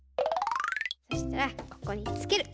そしたらここにつける。